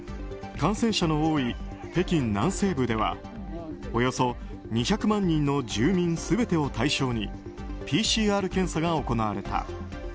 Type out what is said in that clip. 感染者の多い北京南西部ではおよそ２００万人の住民全てを対象にＰＣＲ検査が行われた。